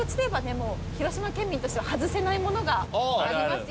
もう広島県民としては外せないものがありますよねああ